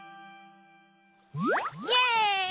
イエイ！